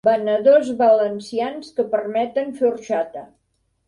Venedors valencians que permeten fer orxata.